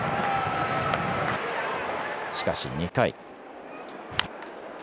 しかし２回。